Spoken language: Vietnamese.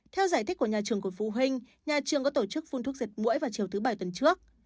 theo giải thích của nhà trường của phụ huynh nhà trường có tổ chức phun thuốc diệt mũi vào chiều thứ bảy tuần trước